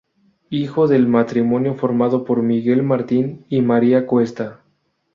Hijo del matrimonio formado por Miguel Martín y María Cuesta.